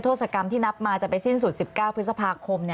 โทษกรรมที่นับมาจะไปสิ้นสุด๑๙พฤษภาคม